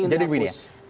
jadi begini ya